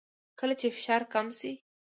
کله چې فشار کم شي